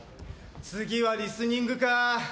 次はリスニングかあ。